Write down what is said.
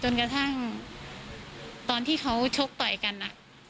กระทั่งตอนที่เขาชกต่อยกัน